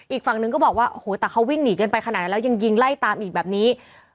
อีกฝั่งนึงก็บอกว่าโอ้โหแต่เขาวิ่งหนีกันไปขนาดนั้นแล้วยังยิงไล่ตามอีกแบบนี้